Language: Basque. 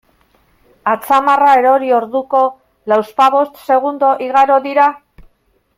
Atzamarra erori orduko, lauzpabost segundo igaro dira?